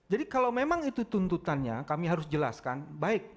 jadi kalau memang itu tuntutannya kami harus jelaskan baik